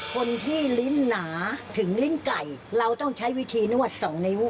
คนที่ลิ้นหนาถึงลิ้นไก่เราต้องใช้วิธีนวดสองนิ้ว